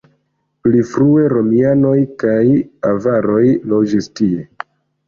Pli frue romianoj kaj avaroj loĝis tie.